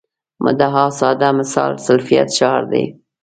مدعا ساده مثال سلفیت شعار دی.